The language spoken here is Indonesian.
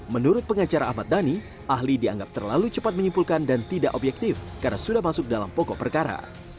menurut pengacara ahmad dhani ahli dianggap terlalu cepat menyimpulkan dan tidak objektif karena sudah masuk dalam pokok perkara